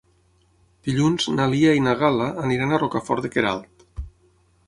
Dilluns na Lia i na Gal·la aniran a Rocafort de Queralt.